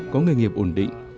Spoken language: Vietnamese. có nghề nghiệp ổn định